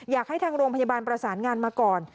อยากให้ทางโรงพยาบาลประสานงานมาก่อน